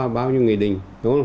với bao nhiêu nghi định